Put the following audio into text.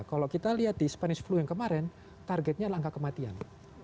kalau kita lihat di spanis flu yang kemarin targetnya adalah angka kematian